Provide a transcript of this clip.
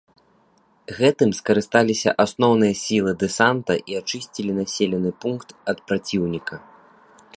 Гэтым скарысталіся асноўныя сілы дэсанта і ачысцілі населены пункт ад праціўніка.